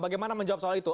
bagaimana menjawab soal itu